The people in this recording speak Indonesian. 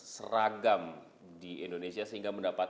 seragam di indonesia sehingga mendapat